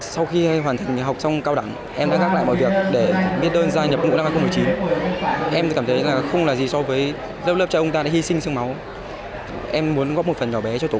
sau khi hoàn thành học xong cao đẳng em đã gác lại mọi việc để biết đơn giai nhập ngũ năm hai nghìn một mươi chín em cảm thấy không là gì so với lớp lớp trẻ ông ta đã hy sinh sương máu em muốn góp một phần nhỏ bé cho tổ quốc